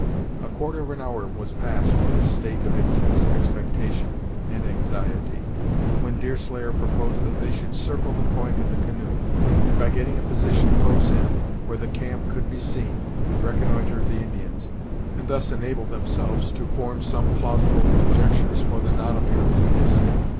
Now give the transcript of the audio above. A quarter of an hour was passed in this state of intense expectation and anxiety, when Deerslayer proposed that they should circle the point in the canoe; and by getting a position close in, where the camp could be seen, reconnoitre the Indians, and thus enable themselves to form some plausible conjectures for the non appearance of Hist.